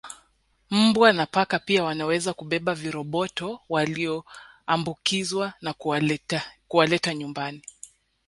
Mbwa na paka pia wanaweza kubeba viroboto walioambukizwa na kuwaleta nyumbani